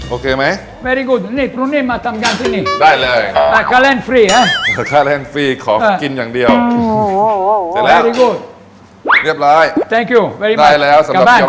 โอเคไหมได้เลยขอกินอย่างเดียวเสร็จแล้วเรียบร้อยได้แล้วสำหรับ